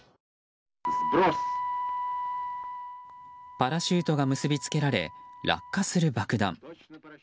パラシュートが結び付けられ落下する爆弾。